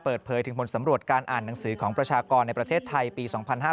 เปิดเผยถึงผลสำรวจการอ่านหนังสือของประชากรในประเทศไทยปี๒๕๕๙